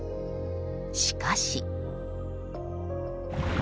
しかし。